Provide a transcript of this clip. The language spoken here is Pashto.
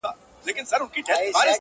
چي په اخره کې مرداره نه کي پښتون نه دئ.